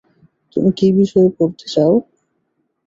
তুমি কি বিষয়ে পড়তে চাও?